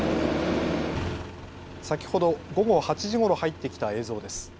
先ほど午後８時ごろ入ってきた映像です。